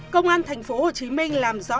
công an tp hcm làm rõ